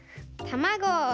たまご！